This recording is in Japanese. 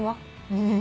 うん。